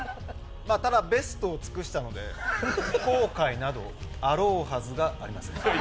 ベストを尽くしたので後悔などあろうはずがありません。